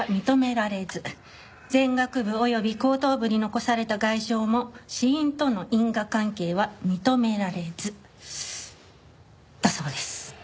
「前額部及び後頭部に残された外傷も死因との因果関係は認められず」だそうです。